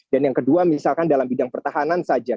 dan yang kedua misalkan dalam bidang pertahanan saja